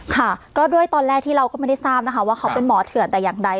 ค่ะก็ด้วยตอนแรกที่เราก็ไม่ได้ทราบนะคะว่าเขาเป็นหมอเถื่อนแต่อย่างใด